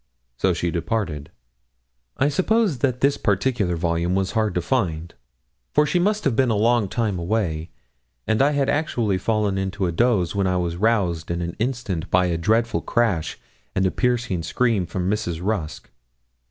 So she departed. I suppose that this particular volume was hard to find, for she must have been a long time away, and I had actually fallen into a doze when I was roused in an instant by a dreadful crash and a piercing scream from Mrs. Rusk.